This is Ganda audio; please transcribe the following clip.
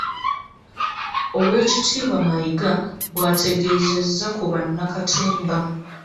Oweekitiibwa Mayiga bw'ategeezezza ku bannakatemba.